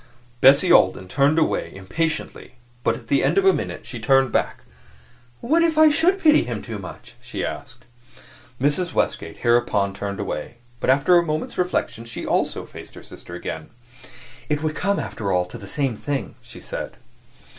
Bessie Alden turned away impatiently; but at the end of a minute she turned back. "What if I should pity him too much?" she asked. Mrs. Westgate hereupon turned away, but after a moment's reflection she also faced her sister again. "It would come, after all, to the same thing," she said.